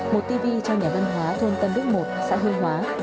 một tv cho nhà văn hóa thôn tân đức một xã hương hóa